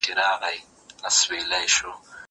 ايا ته منډه وهې.